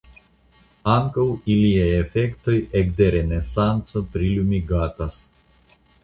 Ankaŭ iliaj efektoj ekde Renesanco prilumigatas.